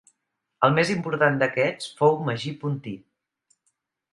El més important d'aquests fou Magí Pontí.